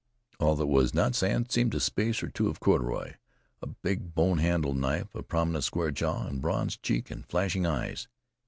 All that was not sand seemed a space or two of corduroy, a big bone handled knife, a prominent square jaw and bronze cheek and flashing eyes.